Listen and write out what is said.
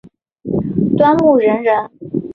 端木仁人。